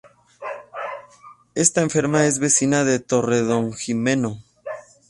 Esta enferma es vecina de Torredonjimeno.